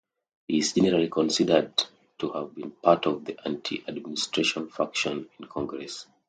He is generally considered to have been part of the anti-Administration faction in congress.